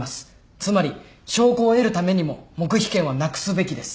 つまり証拠を得るためにも黙秘権はなくすべきです。